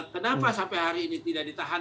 kenapa sampai hari ini tidak ditahan